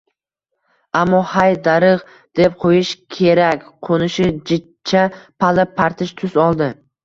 Ammo hay, darig‘, deb qo‘yish kerak, qo‘nishi jichcha pala-partish tus oldi